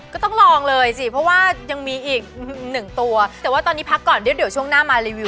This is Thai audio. ก็ต้องลองเลยสิเพราะว่ายังมีอีกหนึ่งตัวแต่ว่าตอนนี้พักก่อนเดี๋ยวเดี๋ยวช่วงหน้ามารีวิว